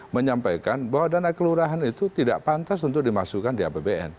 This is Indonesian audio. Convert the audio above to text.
menyampaikan bahwa dana kelurahan itu tidak pantas untuk dimasukkan di apbn